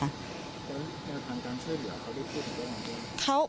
แล้วทางการเชื่อเหลือเขาได้พูดอะไรบ้าง